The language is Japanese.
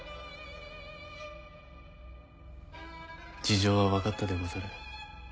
事情は分かったでござる。